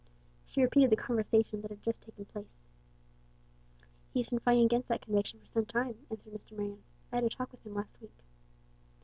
She repeated the conversation that had just taken place. "He has been fighting against that conviction for some time," answered Mr. Marion. "I had a talk with him last week."